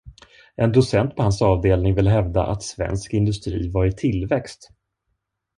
En docent på hans avdelning ville hävda att svensk industri var i tillväxt.